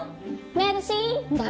「メルシー」だよ。